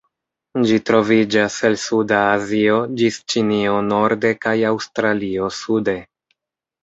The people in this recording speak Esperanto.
Ĝi troviĝas el suda Azio, ĝis Ĉinio norde kaj Aŭstralio sude.